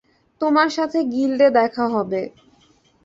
তোমার সাথে গিল্ডে দেখা হবে।